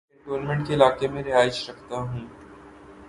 میں کینٹونمینٹ کے علاقے میں رہائش رکھتا ہوں۔